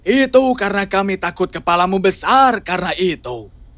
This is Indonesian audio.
itu karena kami takut kepalamu besar karena itu